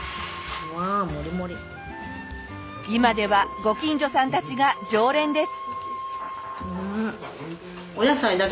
今ではご近所さんたちが常連です。